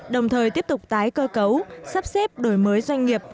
đồng thời tiếp tục tái cơ cấu sắp xếp đổi mới doanh nghiệp